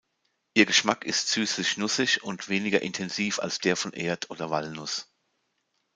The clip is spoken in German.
Ihr Geschmack ist süßlich-nussig und weniger intensiv als der von Erd- oder Walnuss.